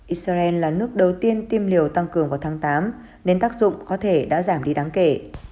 israel là nước đầu tiên tiêm liều tăng cường vào tháng tám nên tác dụng có thể đã giảm đi đáng kể